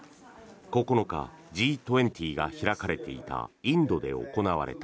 ９日、Ｇ２０が開かれていたインドで行われた。